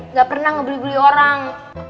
nggak pernah ngebully bully orang